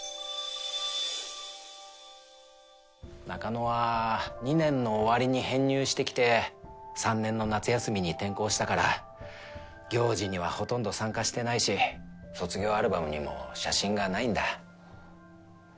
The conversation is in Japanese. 中野は２年の終わりに編入してきて３年の夏休みに転校したから行事にはほとんど参加してないし卒業アルバムにも写真がないんだ。